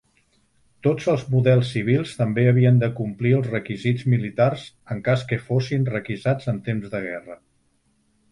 Tots els models civils també havien de complir els requisits militars, en cas que fossin requisats en temps de guerra.